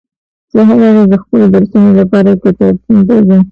زه هره ورځ د خپلو درسونو لپاره کتابتون ته ځم